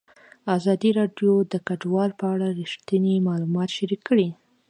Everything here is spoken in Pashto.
ازادي راډیو د کډوال په اړه رښتیني معلومات شریک کړي.